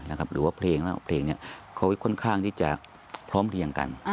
หรือว่าเพลงและเพลงเขาค่อนข้างที่จะพร้อมเรียงกัน